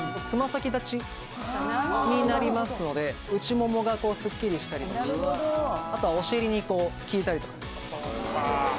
つま先立ちになりますので内ももがすっきりしたりとかあとはお尻に効いたりとかですね。